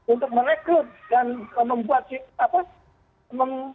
untuk merekrut dan